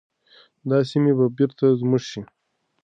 دا سیمي به بیرته زموږ شي.